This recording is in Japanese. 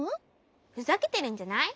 ふざけてるんじゃない？